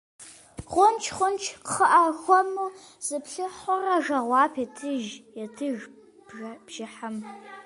Хъунщ, хъунщ, кхъыӏэ, хуэму, - зиплъыхьурэ жэуап етыж бжьыхьэм.